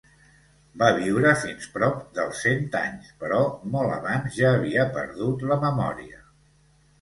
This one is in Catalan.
Va viure fins prop dels cent anys però molt abans ja havia perdut la memòria.